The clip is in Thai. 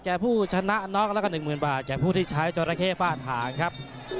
แก่ผู้ชนะน็อคและก็๑๐๐๐๐บาทแก่ผู้ที่ใช้จอดราเคฟ่าทางครับ